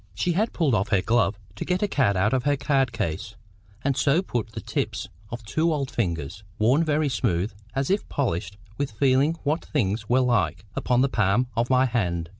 She had pulled off her glove to get a card out of her card case, and so put the tips of two old fingers, worn very smooth, as if polished with feeling what things were like, upon the palm of my hand.